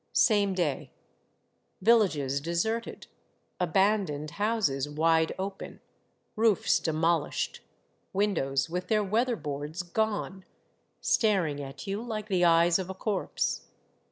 Same day, — Villages deserted, abandoned houses wide open, roofs demolished, windows with their weatherboards gone, staring at you like the eyes of a corpse.